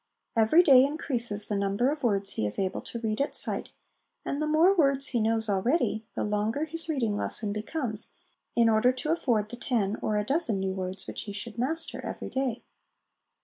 Every day increases the number of words he is able to read at sight, and the more words he knows already, the longer his reading lesson becomes in order to afford the ten or a dozen new words which he should master every day.